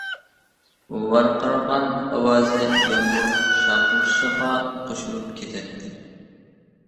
ۋارقىرىغان ئاۋازى يامغۇرنىڭ شارقىرىشىغا قوشۇلۇپ كېتەتتى.